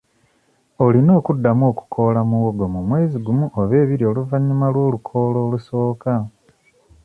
Olina okuddamu okukoola muwogo mu mwezi gumu oba ebiri oluvannyuma lw'olukoola olusooka.